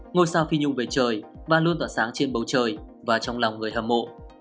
ngôi sao phi nhung về trời bà luôn tỏa sáng trên bầu trời và trong lòng người hâm mộ